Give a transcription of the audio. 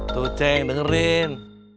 tuh ceng dengerin